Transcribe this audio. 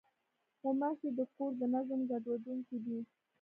غوماشې د کور د نظم ګډوډوونکې دي.